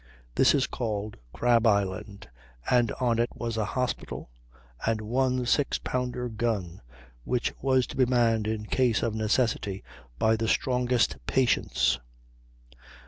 This is called Crab Island, and on it was a hospital and one six pounder gun, which was to be manned in case of necessity by the strongest patients.